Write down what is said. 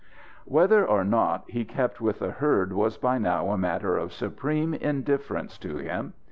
Whether or not he kept with the herd was by now a matter of supreme indifference to him.